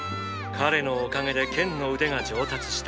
彼のおかげで剣の腕が上達した。